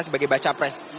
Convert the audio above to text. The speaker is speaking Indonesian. sebagai baca pres